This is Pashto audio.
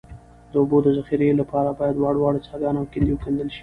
د اوبو د ذخیرې لپاره باید واړه واړه څاګان او کندې وکیندل شي